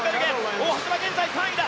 大橋は現在３位だ。